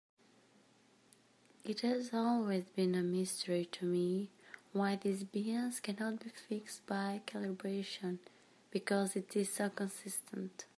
It has always been a mystery to me why this bias cannot be fixed by calibration, because it is so consistent.